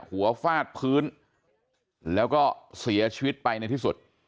ฟาดพื้นแล้วก็เสียชีวิตไปในที่สุด